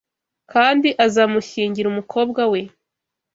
Kandi azamushyingira umukobwa we